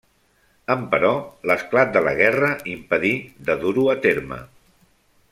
Emperò, l'esclat de la guerra impedí de dur-ho a terme.